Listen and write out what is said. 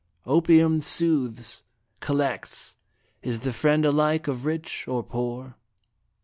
" Opium soothes, collects, is the friend alike of rich or poor.